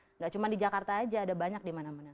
enggak cuma di jakarta aja ada banyak dimana mana